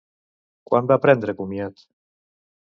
Quan va prendre comiat?